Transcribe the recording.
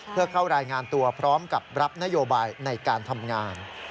เพื่อเข้ารายงานตัวพร้อมกับรับนโยบายในการทำงาน